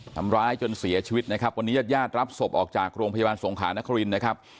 ทำร้ายจนเสียชีวิตนะครับวันนี้ญาติญาติรับศพออกจากโรงพยาบาลสงขานครินนะครับ